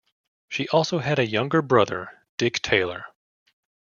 She also had a younger brother, Dick Taylor.